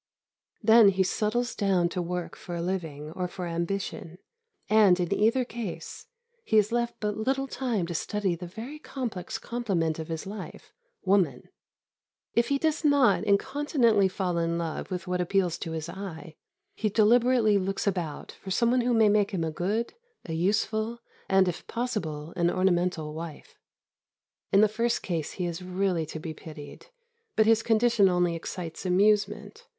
Then he settles down to work for a living or for ambition, and, in either case, he is left but little time to study the very complex complement of his life, woman. If he does not incontinently fall in love with what appeals to his eye, he deliberately looks about for some one who may make him a good, a useful, and, if possible, an ornamental wife. In the first case he is really to be pitied; but his condition only excites amusement.